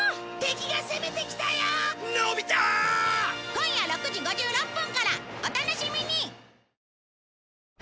今夜６時５６分からお楽しみに！